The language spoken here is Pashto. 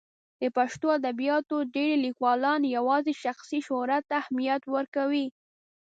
د پښتو ادبیاتو ډېری لیکوالان یوازې شخصي شهرت ته اهمیت ورکوي.